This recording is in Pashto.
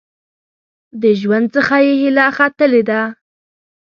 د ژوند څخه یې هیله ختلې ده .